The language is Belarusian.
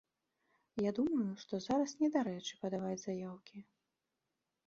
Я думаю, што зараз недарэчы падаваць заяўкі.